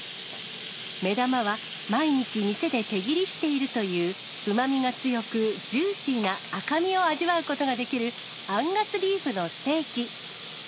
目玉は、毎日、店で手切りしているという、うまみが強く、ジューシーな赤身を味わうことができる、アンガスビーフのステーキ。